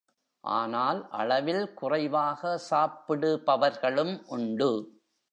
ஆனால் அளவில் குறைவாக சாப்பிடுபவர்களும் உண்டு.